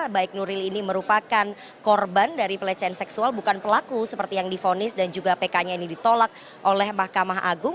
baik nuril ini merupakan korban dari pelecehan seksual bukan pelaku seperti yang difonis dan juga pk nya ini ditolak oleh mahkamah agung